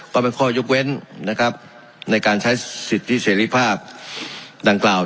ก็เป็นข้อยกเว้นนะครับในการใช้สิทธิเสรีภาพดังกล่าว